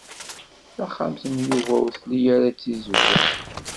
Taxxamt n Yuba ur tli ara tizewwa.